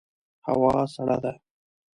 هوا سړه ده